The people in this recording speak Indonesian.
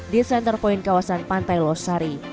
di center point kawasan pantai losari